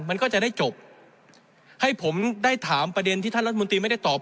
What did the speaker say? มันก็จะได้จบให้ผมได้ถามประเด็นที่ท่านรัฐมนตรีไม่ได้ตอบ